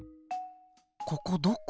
ここどこ？